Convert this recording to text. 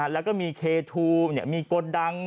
แล้วก็มีเคทูมมีโกดัง